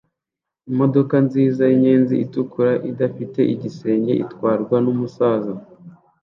Imodoka nziza yinyenzi itukura idafite igisenge itwarwa numusaza